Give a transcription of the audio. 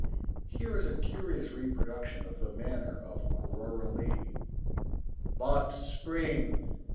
Here is a curious reproduction of the manner of Aurora Leigh: But Spring!